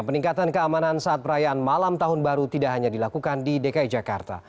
peningkatan keamanan saat perayaan malam tahun baru tidak hanya dilakukan di dki jakarta